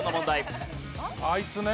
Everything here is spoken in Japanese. あいつね。